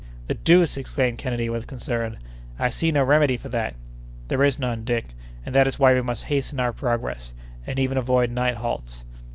"The deuce!" exclaimed Kennedy with concern; "I see no remedy for that." "There is none, Dick, and that is why we must hasten our progress, and even avoid night halts."